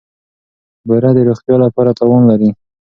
بوره د روغتیا لپاره تاوان لري.